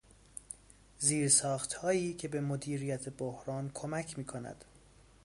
زیرساخت هایی که به مدیریت بحران کمک می کند.